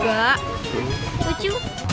enggak gerak kemesin juga